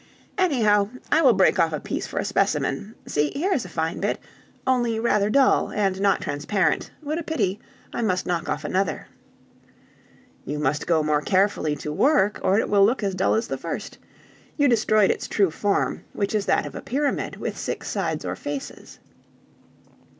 "Anyhow, I will break off a piece for a specimen. See, here is a fine bit, only rather dull, and not transparent; what a pity! I must knock off another." "You must go more carefully to work, or it will look as dull as the first. You destroyed its true form, which is that of a pyramid, with six sides or faces."